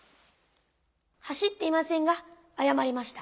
走っていませんがあやまりました。